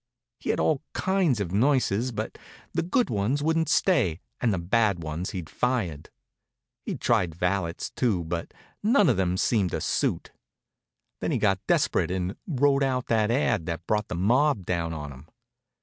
He'd had all kinds of nurses, but the good ones wouldn't stay and the bad ones he'd fired. He'd tried valets, too, but none of 'em seemed to suit. Then he got desperate and wrote out that ad. that brought the mob down on him.